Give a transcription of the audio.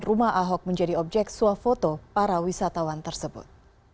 rumah ahok menjadi objek suah foto para wisatawan tersebut